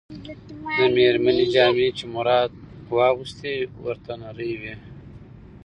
د مېرمنې جامې چې مراد واغوستې، ورته نرۍ وې.